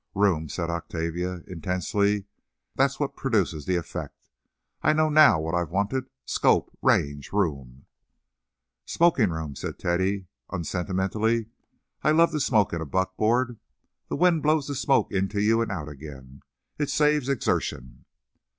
"Room!" said Octavia, intensely. "That's what produces the effect. I know now what I've wanted—scope—range—room!" "Smoking room," said Teddy, unsentimentally. "I love to smoke in a buckboard. The wind blows the smoke into you and out again. It saves exertion."